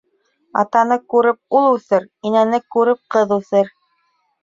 Атаны күреп ул үҫер, инәне күреп ҡыҙ үҫер.